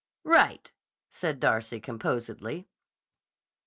"Right!" said Darcy, composedly.